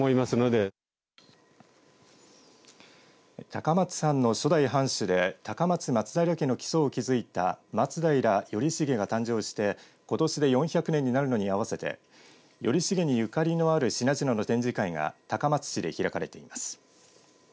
高松藩の初代藩主で高松松平家の基礎を築いた松平頼重が誕生してことしで４００年になるのに合わせて頼重にゆかりのある品々の展示会が高松市で開かれています。